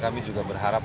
kami juga berharap